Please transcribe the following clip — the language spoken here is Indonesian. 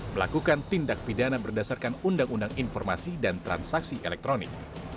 melakukan tindak pidana berdasarkan undang undang informasi dan transaksi elektronik